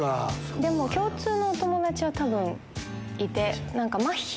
でも共通のお友達は多分いて。